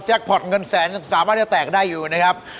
พอตเงินแสนสามารถจะแตกได้อยู่นะครับ